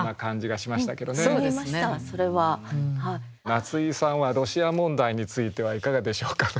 夏井さんはロシア問題についてはいかがでしょうか。